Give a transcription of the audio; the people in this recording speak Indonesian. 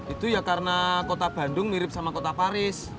itu ya karena kota bandung mirip sama kota paris